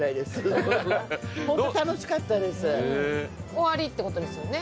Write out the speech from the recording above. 終わりって事ですよね？